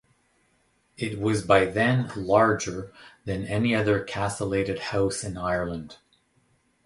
It was by then larger than any other castellated house in Ireland.